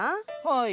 はい。